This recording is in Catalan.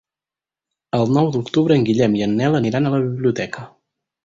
El nou d'octubre en Guillem i en Nel aniran a la biblioteca.